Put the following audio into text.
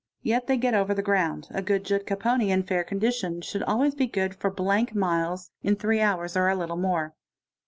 Yet they get over the yund ; a good jutka poney in fair condition should always be good for | miles in three hours or a little more.